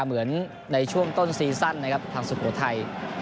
เหมือนในช่วงต้นซีซั่นนะครับทางสุโขทัย